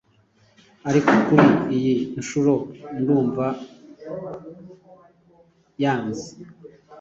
ariko kuri iyi nshuro ndumva hyanze